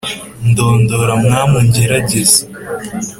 Ndondora Mwami ungerageze,